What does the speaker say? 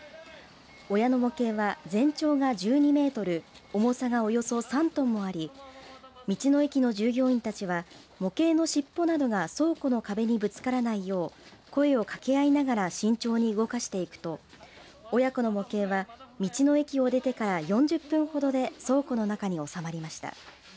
親の模型は全長が１２メートル重さがおよそ３トンもあり道の駅の従業員たちは模型のしっぽなどが倉庫の壁にぶつからないよう声を掛け合いながら慎重に動かしていくと親子の模型は道の駅を出てから４０分ほどで倉庫の中に収まりました。